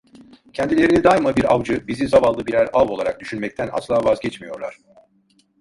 Kendilerini daima bir avcı, bizi zavallı birer av olarak düşünmekten asla vazgeçmiyorlar.